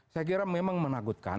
saya kira memang menakutkan